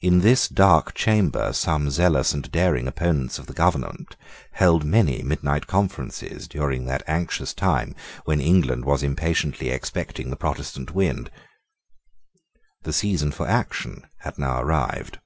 In this dark chamber some zealous and daring opponents of the government had held many midnight conferences during that anxious time when England was impatiently expecting the Protestant wind. The season for action had now arrived.